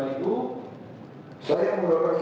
belum jadi gubernur